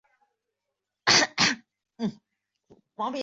张玉法幼时生长于山东峄县。